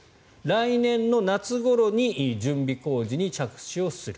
来年夏ごろに準備工事に着手する。